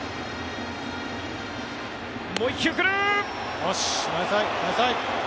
もう１球来る！